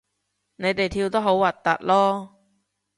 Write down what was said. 你哋跳得好核突囉